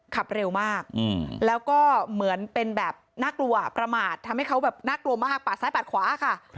ขับเร็วมากแล้วก็เหมือนเป็นแบบน่ากลัวประมาททำให้เขาแบบน่ากลัวมากปาดซ้ายปาดขวาค่ะ